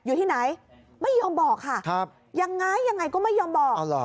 อยู่ที่ไหนไม่ยอมบอกค่ะครับยังไงยังไงก็ไม่ยอมบอก